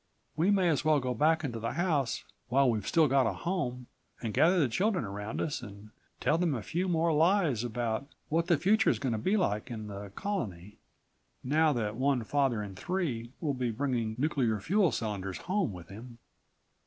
"We may as well go back into the house while we've still got a home, and gather the children around us, and tell them a few more lies about what the future is going to be like in the Colony, now that one father in three will be bringing nuclear fuel cylinders home with him."